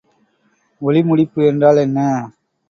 ஒளிமுடிப்பு என்றால் என்ன?